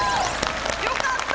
よかった！